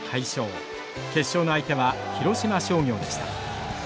決勝の相手は広島商業でした。